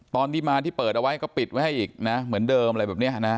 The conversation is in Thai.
ตอนที่มาที่เปิดเอาไว้ก็ปิดไว้ให้อีกนะเหมือนเดิมอะไรแบบนี้นะ